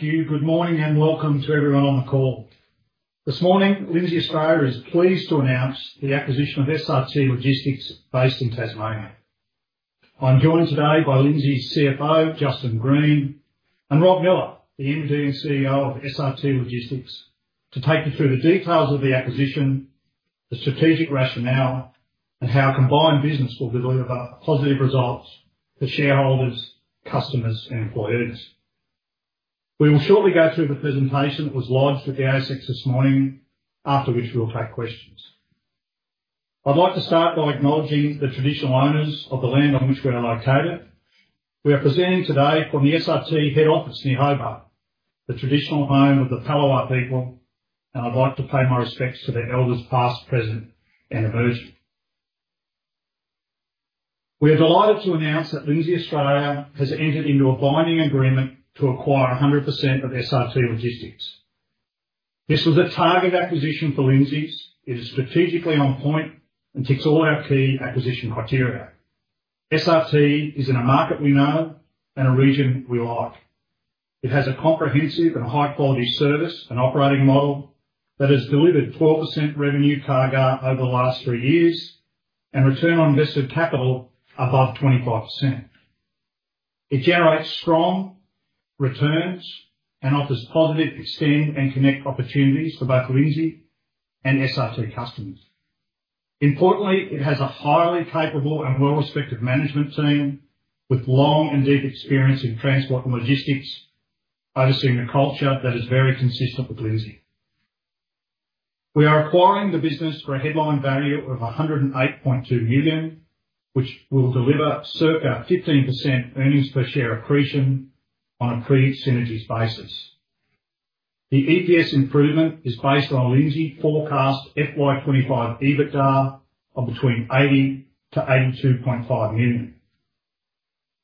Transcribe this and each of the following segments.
Thank you. Good morning and welcome to everyone on the call. This morning, Lindsay Australia is pleased to announce the acquisition of SRT Logistics based in Tasmania. I'm joined today by Lindsay's CFO, Justin Green, and Rob Miller, the MD and CEO of SRT Logistics, to take you through the details of the acquisition, the strategic rationale, and how combined business will deliver positive results for shareholders, customers, and employers. We will shortly go through the presentation that was launched at the ASX this morning, after which we'll take questions. I'd like to start by acknowledging the traditional owners of the land on which we are located. We are presenting today from the SRT head office near Hobart, the traditional home of the Palawa people, and I'd like to pay my respects to their elders past, present, and emerging. We are delighted to announce that Lindsay Australia has entered into a binding agreement to acquire 100% of SRT Logistics. This was a target acquisition for Lindsay's. It is strategically on point and ticks all our key acquisition criteria. SRT is in a market we know and a region we like. It has a comprehensive and high-quality service and operating model that has delivered 12% revenue CAGR over the last three years and return on invested capital above 25%. It generates strong returns and offers positive extend and connect opportunities for both Lindsay and SRT customers. Importantly, it has a highly capable and well-respected management team with long and deep experience in transport and logistics, overseeing a culture that is very consistent with Lindsay. We are acquiring the business for a headline value of 108.2 million, which will deliver circa 15% earnings per share accretion on a pre-synergies basis. The EPS improvement is based on Lindsay forecast FY 2025 EBITDA of between 80 million-82.5 million.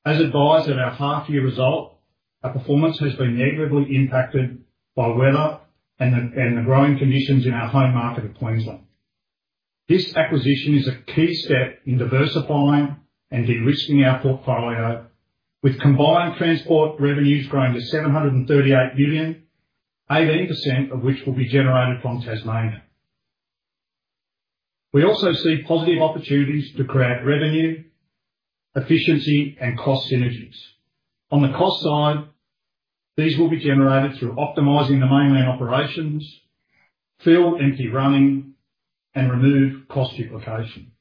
As advised at our half-year result, our performance has been negatively impacted by weather and the growing conditions in our home market of Queensland. This acquisition is a key step in diversifying and de-risking our portfolio, with combined transport revenues growing to 738 million, 18% of which will be generated from Tasmania. We also see positive opportunities to create revenue, efficiency, and cost synergies. On the cost side, these will be generated through optimizing the mainland operations, fill empty running, and remove cost duplication.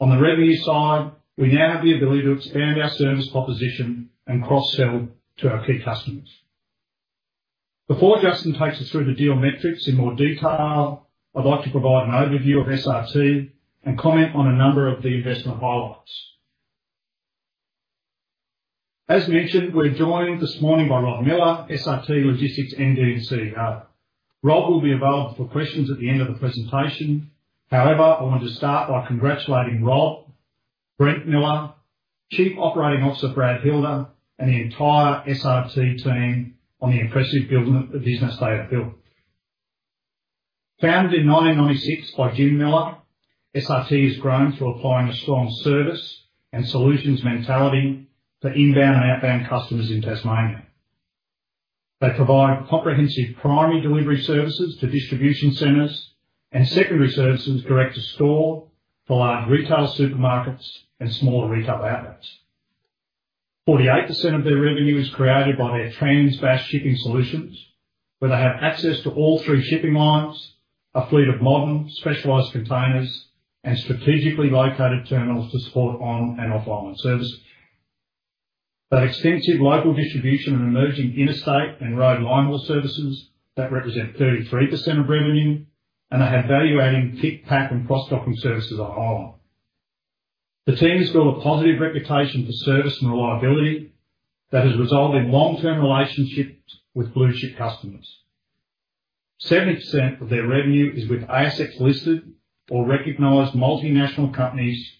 On the revenue side, we now have the ability to expand our service proposition and cross-sell to our key customers. Before Justin takes us through the deal metrics in more detail, I'd like to provide an overview of SRT and comment on a number of the investment highlights. As mentioned, we're joined this morning by Rob Miller, SRT Logistics MD and CEO. Rob will be available for questions at the end of the presentation. However, I want to start by congratulating Rob, Brent Miller, Chief Operating Officer Brad Hilder, and the entire SRT team on the impressive business they have built. Founded in 1996 by Jim Miller, SRT has grown through applying a strong service and solutions mentality to inbound and outbound customers in Tasmania. They provide comprehensive primary delivery services to distribution centers and secondary services direct to store for large retail supermarkets and smaller retail outlets. 48% of their revenue is created by their trans bass shipping solutions, where they have access to all three shipping lines, a fleet of modern specialized containers, and strategically located terminals to support on- and offline services. They have extensive local distribution and emerging interstate and road line services that represent 33% of revenue, and they have value-adding pick, pack, and cross-docking services on island. The team has built a positive reputation for service and reliability that has resulted in long-term relationships with blue-chip customers. 70% of their revenue is with ASX-listed or recognized multinational companies,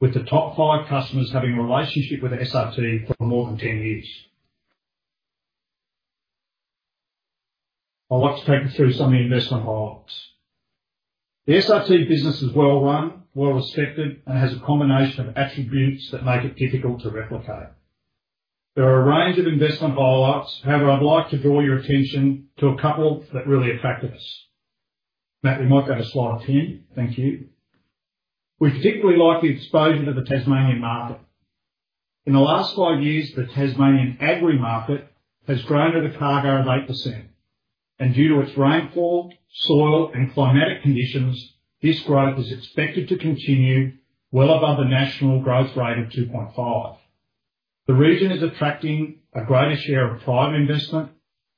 with the top five customers having a relationship with SRT for more than 10 years. I'd like to take you through some of the investment highlights. The SRT business is well-run, well-respected, and has a combination of attributes that make it difficult to replicate. There are a range of investment highlights. However, I'd like to draw your attention to a couple that really attracted us. Matt, we might get a slide of 10. Thank you. We particularly like the exposure to the Tasmanian market. In the last five years, the Tasmanian agri-market has grown at a CAGR of 8%, and due to its rainfall, soil, and climatic conditions, this growth is expected to continue well above the national growth rate of 2.5%. The region is attracting a greater share of private investment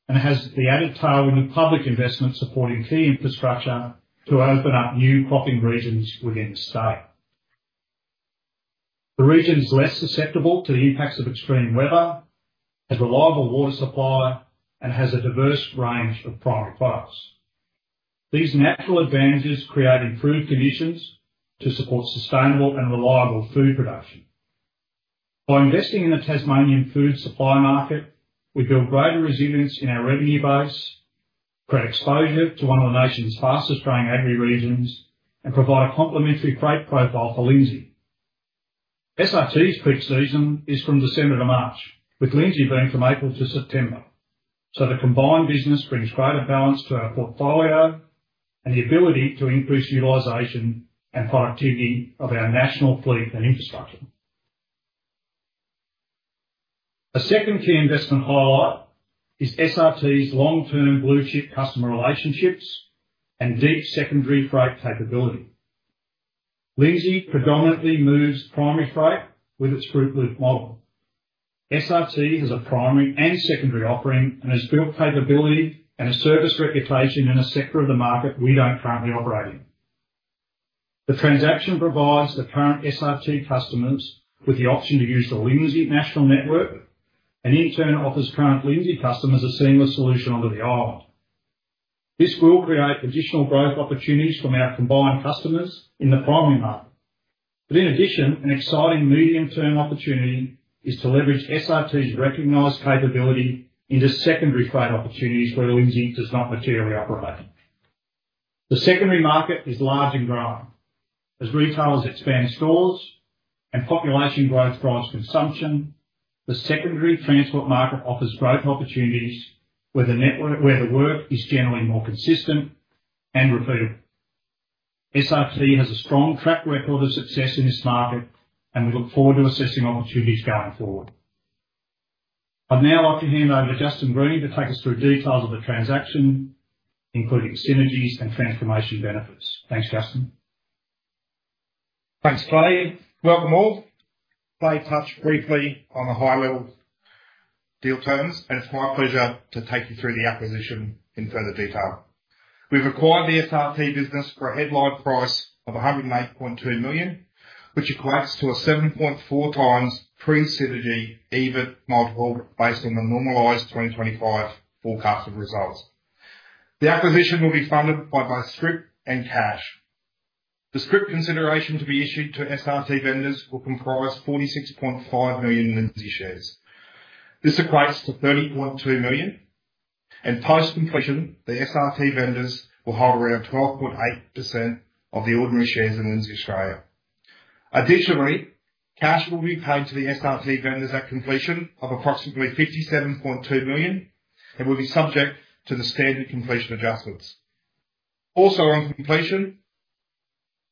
and has the added power in the public investment supporting key infrastructure to open up new cropping regions within the state. The region is less susceptible to the impacts of extreme weather, has reliable water supply, and has a diverse range of primary products. These natural advantages create improved conditions to support sustainable and reliable food production. By investing in the Tasmanian food supply market, we build greater resilience in our revenue base, create exposure to one of the nation's fastest-growing agri-regions, and provide a complementary freight profile for Lindsay. SRT's peak season is from December to March, with Lindsay being from April to September, so the combined business brings greater balance to our portfolio and the ability to increase utilization and productivity of our national fleet and infrastructure. A second key investment highlight is SRT's long-term blue-chip customer relationships and deep secondary freight capability. Lindsay predominantly moves primary freight with its group-lift model. SRT has a primary and secondary offering and has built capability and a service reputation in a sector of the market we do not currently operate in. The transaction provides the current SRT customers with the option to use the Lindsay national network, and in turn, offers current Lindsay customers a seamless solution onto the island. This will create additional growth opportunities from our combined customers in the primary market. In addition, an exciting medium-term opportunity is to leverage SRT's recognized capability into secondary freight opportunities where Lindsay does not materially operate. The secondary market is large and growing. As retailers expand stores and population growth drives consumption, the secondary transport market offers growth opportunities where the work is generally more consistent and repeatable. SRT has a strong track record of success in this market, and we look forward to assessing opportunities going forward. I'd now like to hand over to Justin Green to take us through details of the transaction, including synergies and transformation benefits. Thanks, Justin. Thanks, Clay. Welcome all. Clay touched briefly on the high-level deal terms, and it's my pleasure to take you through the acquisition in further detail. We've acquired the SRT business for a headline price of 108.2 million, which equates to a 7.4 times pre-synergy EBIT multiple based on the normalized 2025 forecasted results. The acquisition will be funded by both scrip and cash. The scrip consideration to be issued to SRT vendors will comprise 46.5 million Lindsay shares. This equates to 30.2 million, and post-completion, the SRT vendors will hold around 12.8% of the ordinary shares in Lindsay Australia. Additionally, cash will be paid to the SRT vendors at completion of approximately 57.2 million and will be subject to the standard completion adjustments. Also, on completion,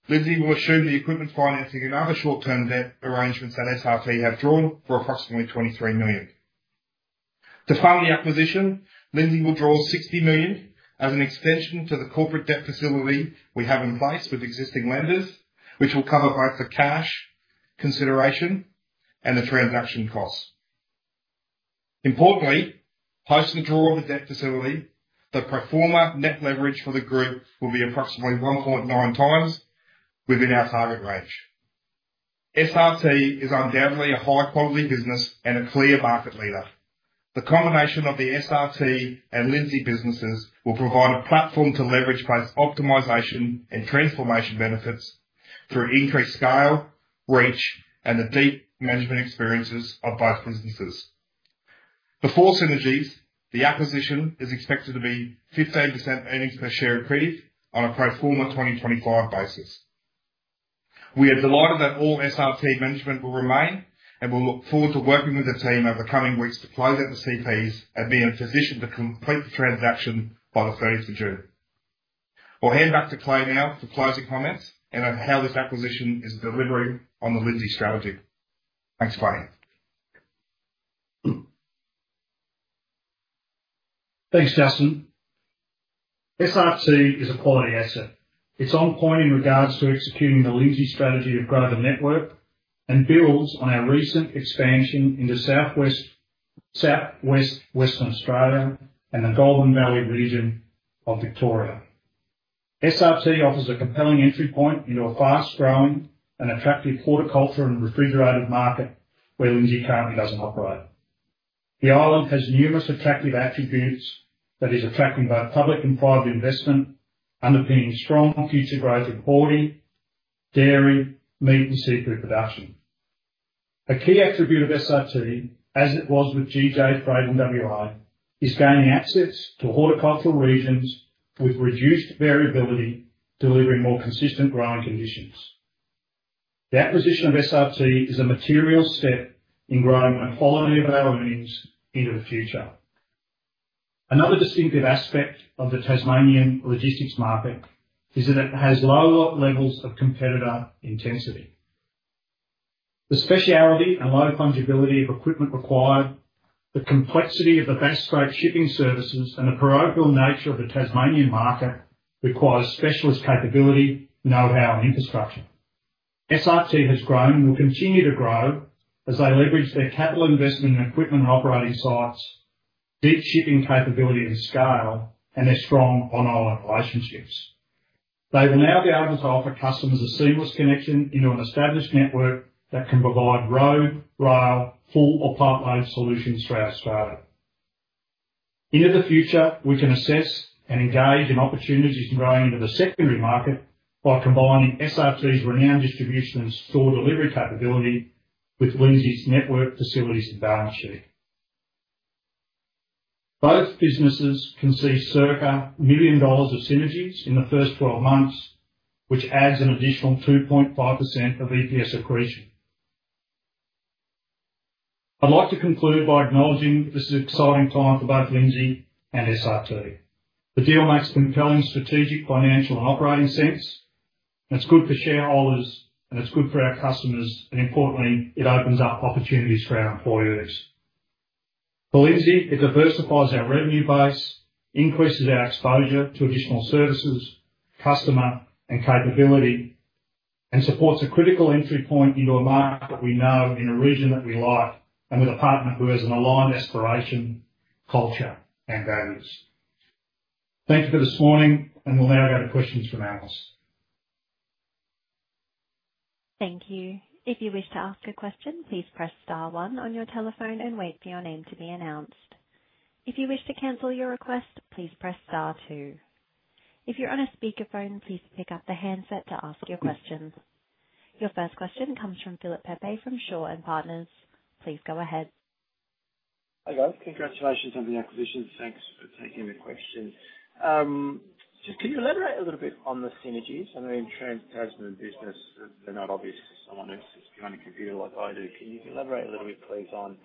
Lindsay will assume the equipment financing and other short-term debt arrangements that SRT have drawn for approximately 23 million. To fund the acquisition, Lindsay will draw 60 million as an extension to the corporate debt facility we have in place with existing lenders, which will cover both the cash consideration and the transaction costs. Importantly, post the draw of the debt facility, the pro forma net leverage for the group will be approximately 1.9 times within our target range. SRT is undoubtedly a high-quality business and a clear market leader. The combination of the SRT and Lindsay businesses will provide a platform to leverage both optimization and transformation benefits through increased scale, reach, and the deep management experiences of both businesses. Before synergies, the acquisition is expected to be 15% earnings per share accretive on a pro forma 2025 basis. We are delighted that all SRT management will remain and will look forward to working with the team over the coming weeks to close out the CPs and be in position to complete the transaction by the 30th of June. I'll hand back to Clay now for closing comments and how this acquisition is delivering on the Lindsay strategy. Thanks, Clay. Thanks, Justin. SRT is a quality asset. It's on point in regards to executing the Lindsay strategy of growth and network and builds on our recent expansion into Southwest Western Australia and the Golden Valley region of Victoria. SRT offers a compelling entry point into a fast-growing and attractive horticulture and refrigerated market where Lindsay currently doesn't operate. The island has numerous attractive attributes that are attracting both public and private investment, underpinning strong future growth in broadening, dairy, meat, and seafood production. A key attribute of SRT, as it was with GJ Freight and WI, is gaining access to horticultural regions with reduced variability, delivering more consistent growing conditions. The acquisition of SRT is a material step in growing a quality of our earnings into the future. Another distinctive aspect of the Tasmanian logistics market is that it has low levels of competitor intensity. The specialty and low fungibility of equipment required, the complexity of the fast-growing shipping services, and the parochial nature of the Tasmanian market require specialist capability, know-how, and infrastructure. SRT has grown and will continue to grow as they leverage their capital investment in equipment and operating sites, deep shipping capability and scale, and their strong on-island relationships. They will now be able to offer customers a seamless connection into an established network that can provide road, rail, full, or part-load solutions throughout Australia. Into the future, we can assess and engage in opportunities growing into the secondary market by combining SRT's renowned distribution and store delivery capability with Lindsay's network facilities and balance sheet. Both businesses can see circa 1 million dollars of synergies in the first 12 months, which adds an additional 2.5% of EPS accretion. I'd like to conclude by acknowledging this is an exciting time for both Lindsay and SRT. The deal makes compelling strategic, financial, and operating sense. It's good for shareholders, and it's good for our customers, and importantly, it opens up opportunities for our employees. For Lindsay, it diversifies our revenue base, increases our exposure to additional services, customers, and capability, and supports a critical entry point into a market we know in a region that we like and with a partner who has an aligned aspiration, culture, and values. Thank you for this morning, and we'll now go to questions from analysts. Thank you. If you wish to ask a question, please press star one on your telephone and wait for your name to be announced. If you wish to cancel your request, please press star two. If you're on a speakerphone, please pick up the handset to ask your question. Your first question comes from Philip Pepe from Shaw and Partners. Please go ahead. Hi guys. Congratulations on the acquisition. Thanks for taking the question. Just can you elaborate a little bit on the synergies? I know in trans-Tasman business, they're not obvious to someone who sits behind a computer like I do. Can you elaborate a little bit, please, on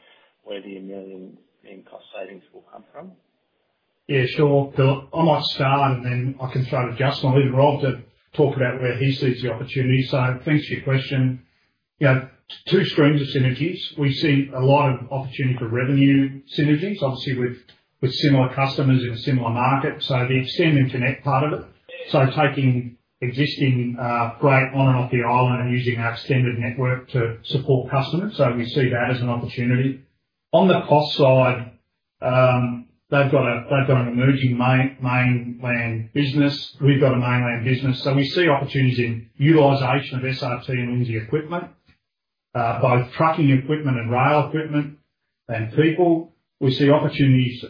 where the 1 million in cost savings will come from? Yeah, sure. I'm on star and then I can throw to Justin. I'll leave it to Rob to talk about where he sees the opportunity. Thanks for your question. Two streams of synergies. We see a lot of opportunity for revenue synergies, obviously, with similar customers in a similar market, so the extend and connect part of it. Taking existing freight on and off the island and using our extended network to support customers, we see that as an opportunity. On the cost side, they've got an emerging mainland business. We've got a mainland business, so we see opportunities in utilization of SRT and Lindsay equipment, both trucking equipment and rail equipment and people. We see opportunities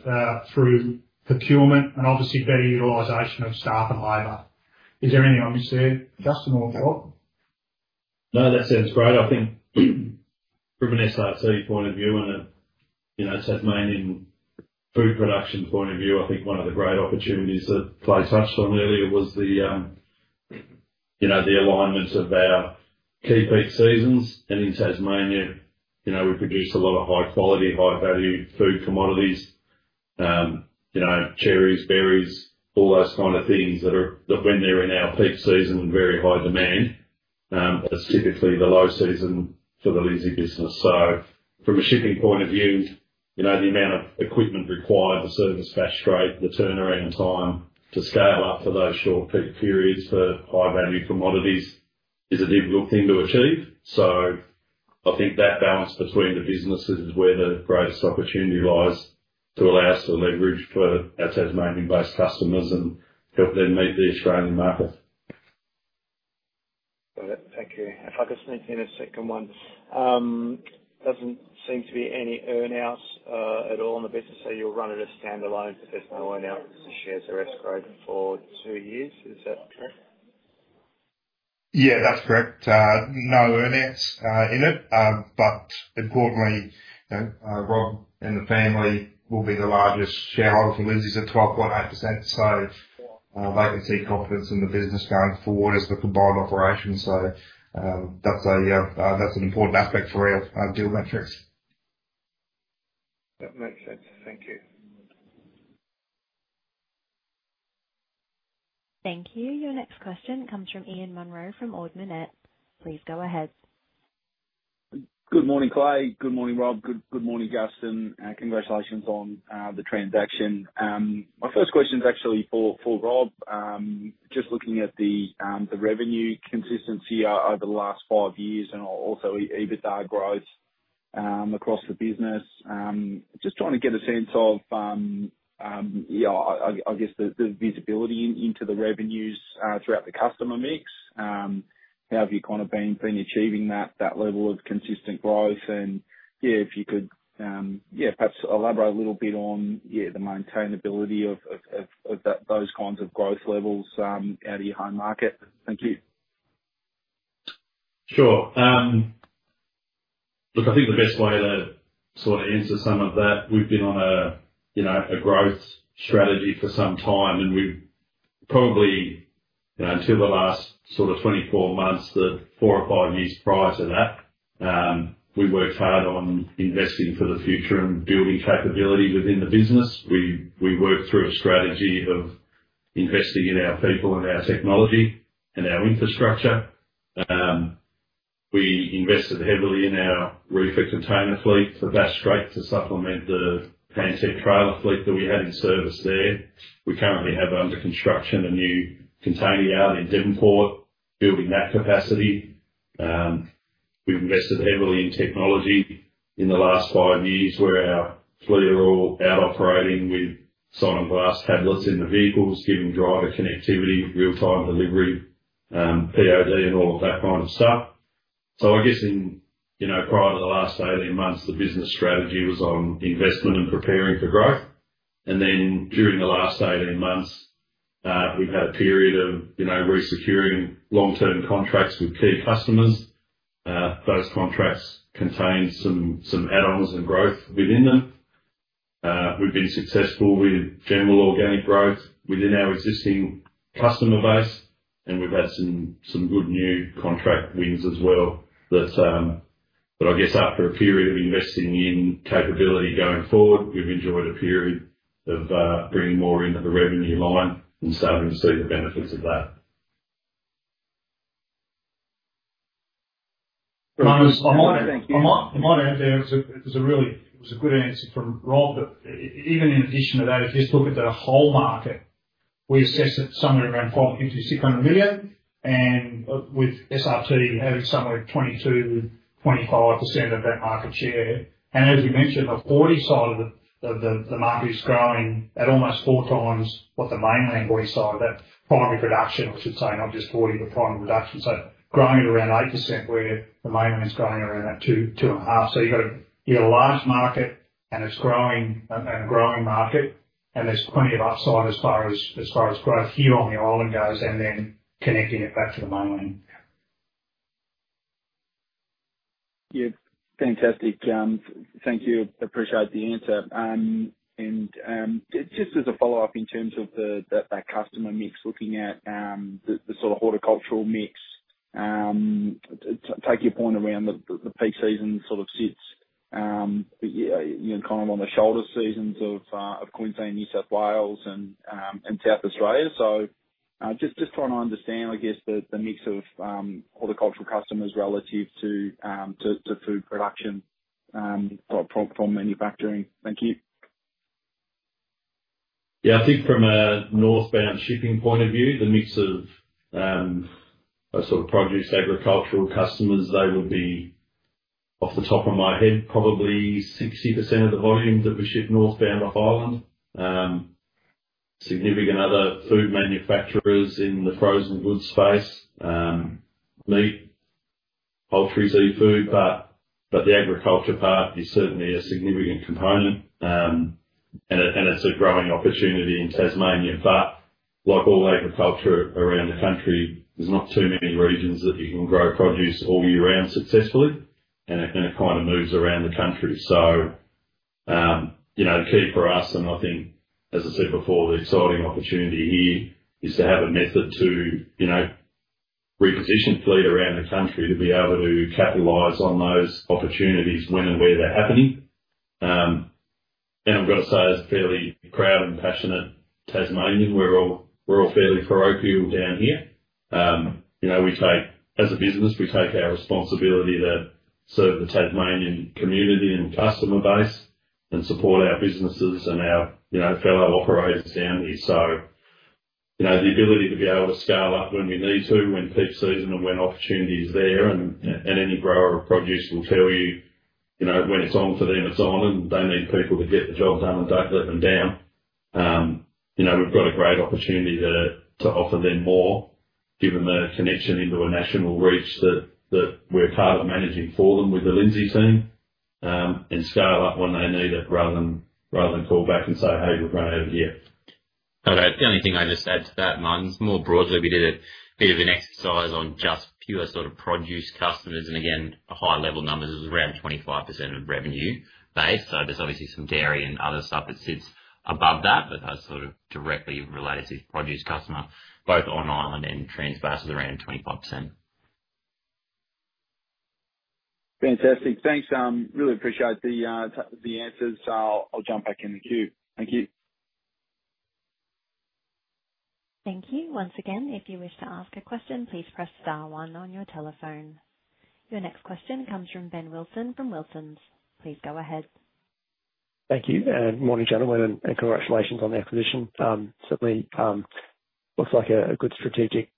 through procurement and obviously better utilization of staff and labor. Is there anything I missed there, Justin or Rob? No, that sounds great. I think from an SRT point of view and a Tasmanian food production point of view, I think one of the great opportunities that Clay touched on earlier was the alignment of our key peak seasons. In Tasmania, we produce a lot of high-quality, high-value food commodities, cherries, berries, all those kind of things that, when they're in our peak season, are in very high demand. It's typically the low season for the Lindsay business. From a shipping point of view, the amount of equipment required to service fast freight, the turnaround time to scale up for those short peak periods for high-value commodities is a difficult thing to achieve. I think that balance between the businesses is where the greatest opportunity lies to allow us to leverage for our Tasmanian-based customers and help them meet the Australian market. Got it. Thank you. If I could sneak in a second one. Doesn't seem to be any earnouts at all in the business, so you're running a standalone for there's no earnouts as the shares are escalating for two years. Is that correct? Yeah, that's correct. No earnouts in it. Importantly, Rob and the family will be the largest shareholders for Lindsay's at 12.8%, so they can see confidence in the business going forward as the combined operation. That's an important aspect for our deal metrics. That makes sense. Thank you. Thank you. Your next question comes from Ian Munro from Ord Minnett. Please go ahead. Good morning, Clay. Good morning, Rob. Good morning, Justin. Congratulations on the transaction. My first question is actually for Rob. Just looking at the revenue consistency over the last five years and also EBITDA growth across the business, just trying to get a sense of, I guess, the visibility into the revenues throughout the customer mix. How have you kind of been achieving that level of consistent growth? Yeah, if you could, perhaps elaborate a little bit on the maintainability of those kinds of growth levels out of your home market. Thank you. Sure. Look, I think the best way to sort of answer some of that, we've been on a growth strategy for some time, and we've probably until the last sort of 24 months, the four or five years prior to that, we worked hard on investing for the future and building capability within the business. We worked through a strategy of investing in our people and our technology and our infrastructure. We invested heavily in our reefer container fleet for fast freight to supplement the handset trailer fleet that we had in service there. We currently have under construction a new container yard in Devonport, building that capacity. We've invested heavily in technology in the last five years where our fleet are all out operating with Sonograph tablets in the vehicles, giving driver connectivity, real-time delivery, POD, and all of that kind of stuff. I guess prior to the last 18 months, the business strategy was on investment and preparing for growth. During the last 18 months, we've had a period of resecuring long-term contracts with key customers. Those contracts contained some add-ons and growth within them. We've been successful with general organic growth within our existing customer base, and we've had some good new contract wins as well. I guess after a period of investing in capability going forward, we've enjoyed a period of bringing more into the revenue line and starting to see the benefits of that. I might add there, it was a good answer from Rob, but even in addition to that, if you just look at the whole market, we assessed at somewhere around 5,600 million, and with SRT having somewhere 22%-25% of that market share. As you mentioned, the 40 side of the market is growing at almost four times what the mainland. Forty side of that primary production, I should say, not just 40, but primary production. Growing at around 8% where the mainland's growing around that 2.5%. You have a large market, and it is growing, a growing market, and there is plenty of upside as far as growth here on the island goes, and then connecting it back to the mainland. Yeah. Fantastic. Thank you. Appreciate the answer. Just as a follow-up in terms of that customer mix, looking at the sort of horticultural mix, take your point around the peak season sort of sits, you know, kind of on the shoulder seasons of Queensland, New South Wales, and South Australia. Just trying to understand, I guess, the mix of horticultural customers relative to food production from manufacturing. Thank you. Yeah, I think from a northbound shipping point of view, the mix of sort of produce agricultural customers, they would be, off the top of my head, probably 60% of the volume that we ship northbound off island. Significant other food manufacturers in the frozen goods space, meat, poultry, seafood, but the agriculture part is certainly a significant component, and it's a growing opportunity in Tasmania. Like all agriculture around the country, there's not too many regions that you can grow produce all year round successfully, and it kind of moves around the country. The key for us, and I think, as I said before, the exciting opportunity here is to have a method to reposition fleet around the country to be able to capitalize on those opportunities when and where they're happening. I have got to say, as a fairly proud and passionate Tasmanian, we are all fairly parochial down here. As a business, we take our responsibility to serve the Tasmanian community and customer base and support our businesses and our fellow operators down here. The ability to be able to scale up when we need to, when peak season and when opportunity is there, and any grower of produce will tell you when it is on for them, it is on, and they need people to get the job done and do not let them down. We have got a great opportunity to offer them more, given the connection into a national reach that we are part of managing for them with the Lindsay team and scale up when they need it rather than call back and say, "Hey, we are going over here. Okay. The only thing I'd just add to that, Muns, more broadly, we did a bit of an exercise on just pure sort of produce customers, and again, a high-level number is around 25% of revenue base. So there's obviously some dairy and other stuff that sits above that, but that's sort of directly related to produce customer, both on island and trans-Tasman, is around 25%. Fantastic. Thanks. Really appreciate the answers. I'll jump back in the queue. Thank you. Thank you. Once again, if you wish to ask a question, please press star one on your telephone. Your next question comes from Ben Wilson from Wilsons. Please go ahead. Thank you. Morning, gentlemen, and congratulations on the acquisition. Certainly, looks like a good strategic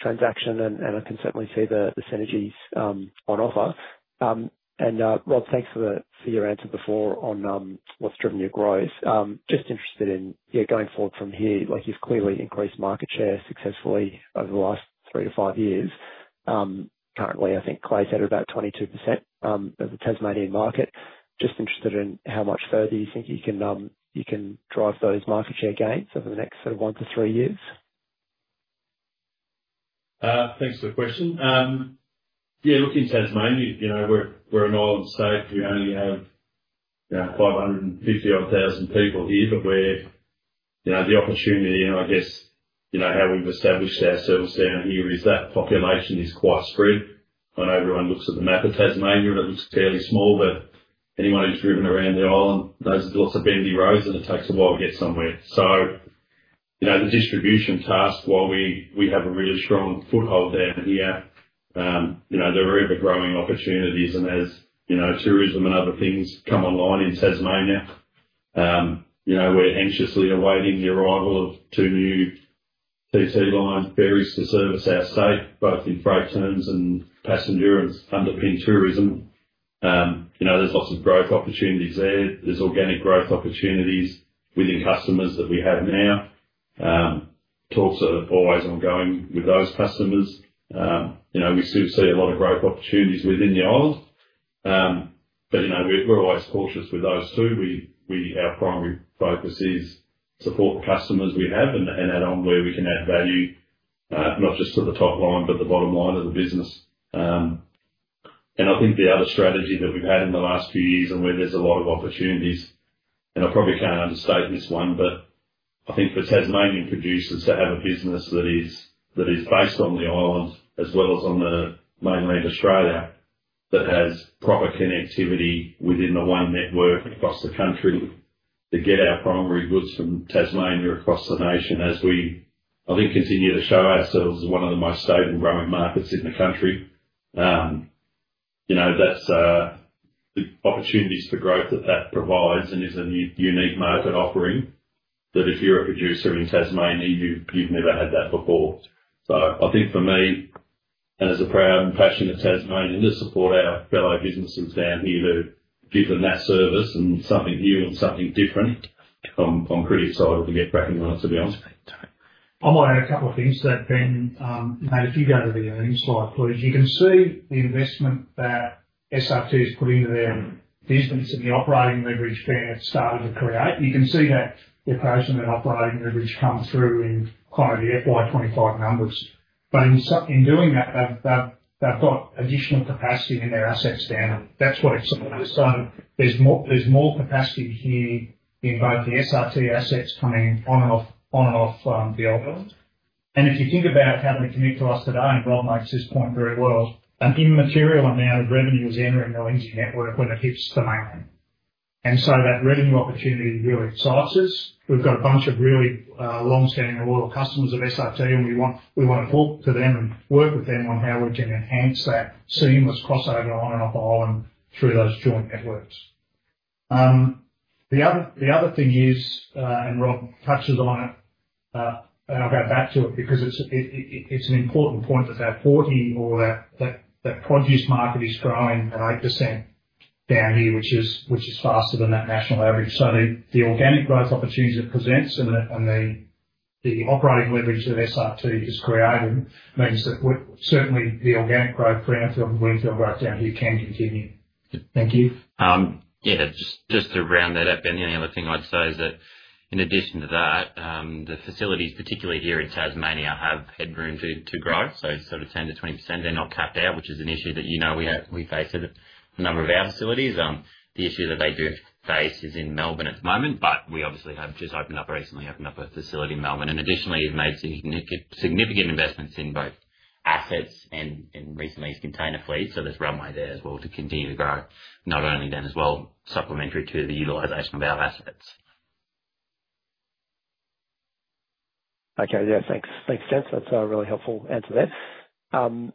transaction, and I can certainly see the synergies on offer. Rob, thanks for your answer before on what's driven your growth. Just interested in going forward from here. You've clearly increased market share successfully over the last three to five years. Currently, I think Clay said about 22% of the Tasmanian market. Just interested in how much further you think you can drive those market share gains over the next sort of one to three years. Thanks for the question. Yeah, looking at Tasmania, we're an island state. We only have 550-odd thousand people here, but the opportunity, and I guess how we've established ourselves down here, is that population is quite spread. When everyone looks at the map of Tasmania, it looks fairly small, but anyone who's driven around the island knows there's lots of bendy roads, and it takes a while to get somewhere. The distribution task, while we have a really strong foothold down here, there are ever-growing opportunities, and as tourism and other things come online in Tasmania, we're anxiously awaiting the arrival of two new TT-Line ferries to service our state, both in freight terms and passenger and underpin tourism. There's lots of growth opportunities there. There's organic growth opportunities within customers that we have now. Talks are always ongoing with those customers. We still see a lot of growth opportunities within the island, but we're always cautious with those too. Our primary focus is to support the customers we have and add on where we can add value, not just to the top line, but the bottom line of the business. I think the other strategy that we've had in the last few years and where there's a lot of opportunities, and I probably can't understate this one, I think for Tasmanian producers to have a business that is based on the island as well as on the mainland of Australia that has proper connectivity within the one network across the country to get our primary goods from Tasmania across the nation as we, I think, continue to show ourselves as one of the most stable growing markets in the country. That's the opportunities for growth that that provides and is a unique market offering that if you're a producer in Tasmania, you've never had that before. I think for me, and as a proud and passionate Tasmanian, to support our fellow businesses down here to give them that service and something new and something different, I'm pretty excited to get back in line, to be honest. I might add a couple of things to that, Ben. You made a few goes of the earnings slide, please. You can see the investment that SRT has put into their business and the operating leverage band that's started to create. You can see that their price and their operating leverage come through in kind of the FY 2025 numbers. In doing that, they've got additional capacity in their assets down. That's what it's all about. There's more capacity here in both the SRT assets coming on and off the island. If you think about how they connect to us today, and Rob makes this point very well, an immaterial amount of revenue is entering the Lindsay network when it hits the mainland. That revenue opportunity really excites us. We've got a bunch of really long-standing loyal customers of SRT, and we want to talk to them and work with them on how we can enhance that seamless crossover on and off island through those joint networks. The other thing is, and Rob touches on it, and I'll go back to it because it's an important point, that that 40 or that produce market is growing at 8% down here, which is faster than that national average. The organic growth opportunities it presents and the operating leverage that SRT has created means that certainly the organic growth, brownfield and greenfield growth down here can continue. Thank you. Yeah, just to round that up, Ben, the only other thing I'd say is that in addition to that, the facilities, particularly here in Tasmania, have headroom to grow, so sort of 10%-20%. They're not capped out, which is an issue that we face at a number of our facilities. The issue that they do face is in Melbourne at the moment, but we obviously have just opened up a facility in Melbourne. Additionally, we've made significant investments in both assets and recently container fleets. So there's runway there as well to continue to grow, not only then as well, supplementary to the utilization of our assets. Okay. Yeah. Thanks, Gents. That's a really helpful answer there.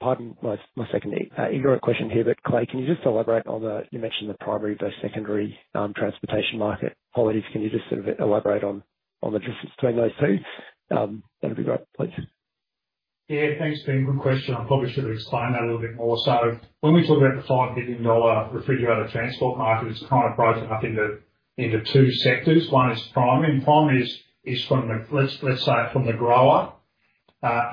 Pardon my second ignorant question here, but Clay, can you just elaborate on the you mentioned the primary versus secondary transportation market qualities. Can you just sort of elaborate on the difference between those two? That'd be great, please. Yeah. Thanks, Ben. Good question. I probably should have explained that a little bit more. When we talk about the 5 billion dollar refrigerated transport market, it is kind of broken up into two sectors. One is primary. Primary is from the, let's say, from the grower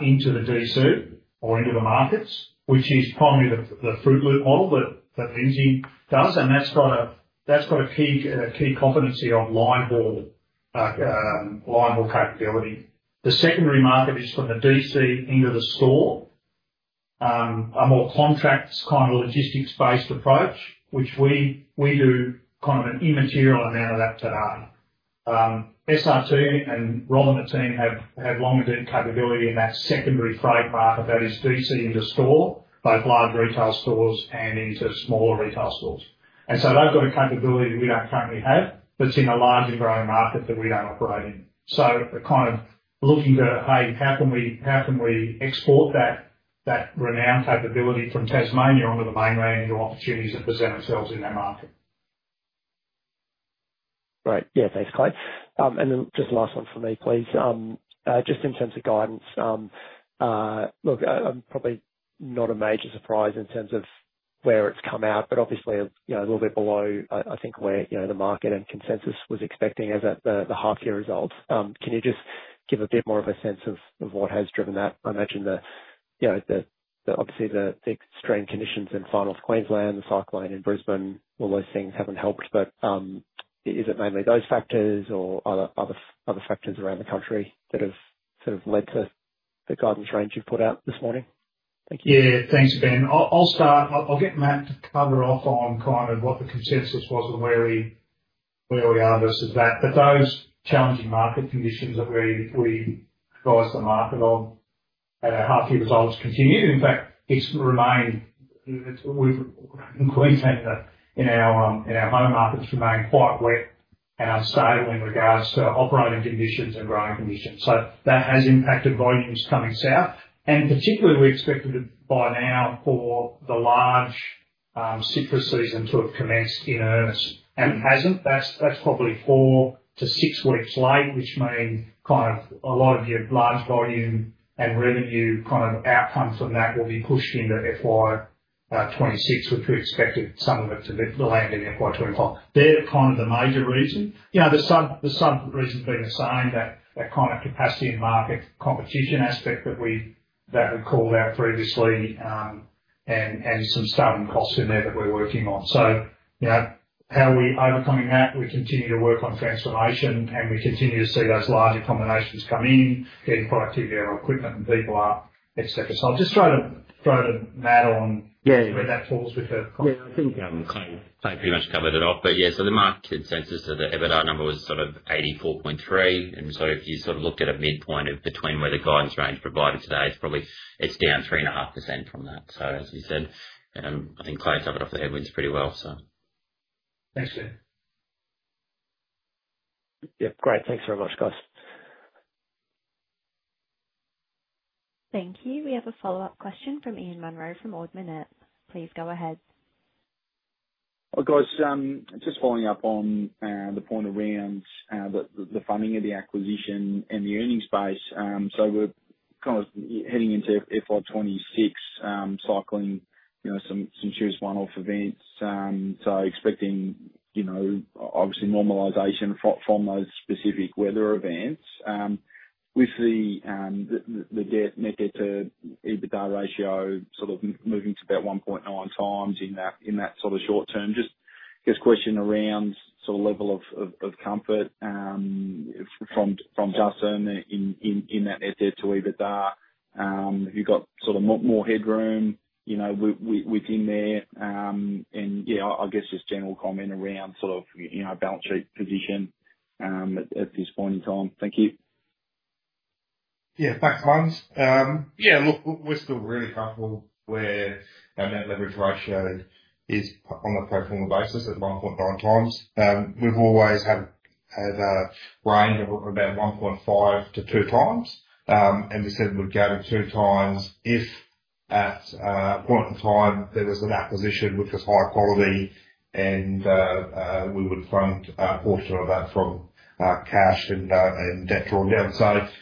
into the DC or into the markets, which is primarily the fruit loop model that Lindsay does. That has a key competency of line haul capability. The secondary market is from the DC into the store, a more contracts, kind of logistics-based approach, which we do kind of an immaterial amount of that today. SRT and Rob and the team have longer-dated capability in that secondary freight market that is DC into store, both large retail stores and into smaller retail stores. They've got a capability we don't currently have that's in a large and growing market that we don't operate in. Kind of looking to, hey, how can we export that renowned capability from Tasmania onto the mainland and your opportunities that present ourselves in that market. Great. Yeah. Thanks, Clay. And then just last one for me, please. Just in terms of guidance, look, I'm probably not a major surprise in terms of where it's come out, but obviously a little bit below, I think, where the market and consensus was expecting as the half-year results. Can you just give a bit more of a sense of what has driven that? I imagine that obviously the extreme conditions in far North Queensland, the cyclone in Brisbane, all those things haven't helped, but is it mainly those factors or other factors around the country that have sort of led to the guidance range you've put out this morning? Thank you. Yeah. Thanks, Ben. I'll get Matt to cover off on kind of what the consensus was and where we are versus that. Those challenging market conditions that we advised the market on, half-year results continued. In fact, Queensland in our home markets remain quite wet and unstable in regards to operating conditions and growing conditions. That has impacted volumes coming south. Particularly, we expected by now for the large citrus season to have commenced in earnest. It has not. That is probably four to six weeks late, which means a lot of your large volume and revenue outcomes from that will be pushed into FY 2026, which we expected some of it to land in FY 2025. They are the major reason. The sub reasons being the same, that kind of capacity and market competition aspect that we called out previously and some stubborn costs in there that we're working on. How are we overcoming that? We continue to work on transformation, and we continue to see those larger combinations come in, getting productivity of our equipment and people up, etc. I'll just throw to Matt on where that falls with the. Yeah. I think Clay pretty much covered it off. But yeah, so the market consensus to the EBITDA number was sort of 84.3 million. And so if you sort of look at a midpoint between where the guidance range provided today, it's down 3.5% from that. So as you said, I think Clay's covered off the headwinds pretty well, so. Thanks, Ben. Yep. Great. Thanks very much, guys. Thank you. We have a follow-up question from Ian Munro from Ord Minnett. Please go ahead. Hi, guys. Just following up on the point of Ben's, about the funding of the acquisition and the earnings base. We are kind of heading into FY 2026, cycling some serious one-off events. Expecting obviously normalization from those specific weather events. We see the net debt to EBITDA ratio sort of moving to about 1.9 times in that sort of short term. Just, I guess, question around sort of level of comfort from Justin in that net debt to EBITDA. Have you got sort of more headroom within there? And, yeah, I guess just general comment around sort of balance sheet position at this point in time. Thank you. Yeah. Thanks, Muns. Yeah. Look, we're still really comfortable where our net leverage ratio is on a pro forma basis at 1.9 times. We've always had a range of about 1.5-2 times. We said we'd go to 2 times if at a point in time there was an acquisition which was high quality and we would fund a portion of that from cash and debt drawn down.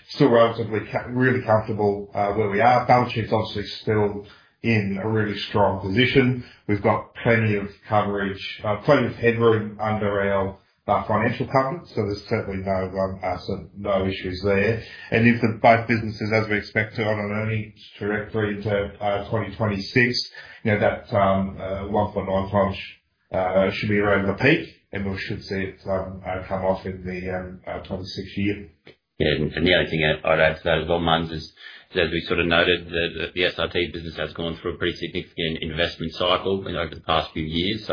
Still relatively really comfortable where we are. Balance sheet's obviously still in a really strong position. We've got plenty of coverage, plenty of headroom under our financial covenants. There's certainly no issues there. If the both businesses, as we expect to, on an earnings trajectory into 2026, that 1.9 times should be around the peak, and we should see it come off in the 2026 year. Yeah. The only thing I'd add to that as well, Muns, is as we sort of noted, the SRT business has gone through a pretty significant investment cycle over the past few years.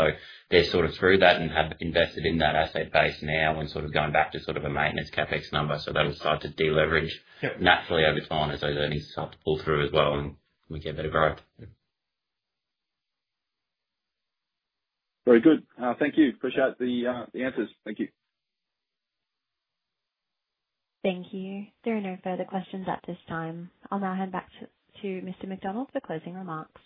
They're sort of through that and have invested in that asset base now and sort of going back to a maintenance CapEx number. That'll start to deleverage naturally over time as those earnings start to pull through as well and we get better growth. Very good. Thank you. Appreciate the answers. Thank you. Thank you. There are no further questions at this time. I'll now hand back to Mr. McDonald for closing remarks.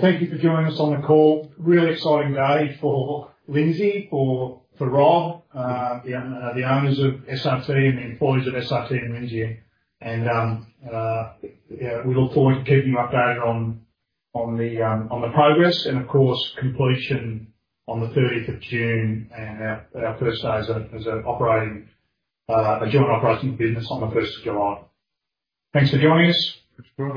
Thank you for joining us on the call. Really exciting day for Lindsay, for Rob, the owners of SRT, and the employees of SRT and Lindsay. We look forward to keeping you updated on the progress and, of course, completion on the 30th of June and our first day as a joint operating business on the 1st of July. Thanks for joining us.